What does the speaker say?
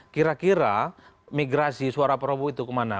kira kira migrasi suara prabowo itu kemana